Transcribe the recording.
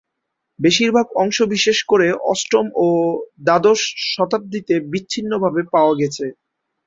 বেশির ভাগ অংশ বিশেষ করে অষ্টম ও দ্বাদশ শতাব্দিতে বিচ্ছিন্নভাবে পাওয়া গেছে।